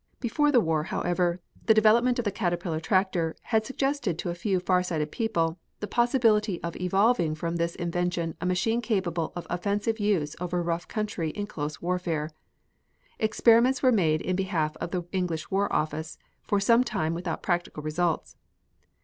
Before the war, however, the development of the caterpillar tractor had suggested to a few farsighted people the possibility of evolving from this invention a machine capable of offensive use over rough country in close warfare. Experiments were made in behalf of the English War Office for some time without practical results.